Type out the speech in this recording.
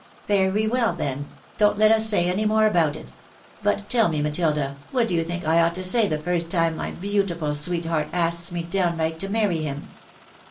" Very well, then — don't let us say any more about it ; but teU me, Matilda, what do you think I ought to say the first time my beautiful sweetheart asks me downright to marry him?"